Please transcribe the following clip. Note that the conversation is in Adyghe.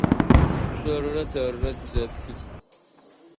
Шъорырэ тэрырэ тызэплъы.